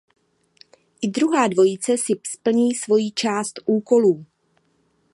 I druhá dvojice si splní svoji část úkolu.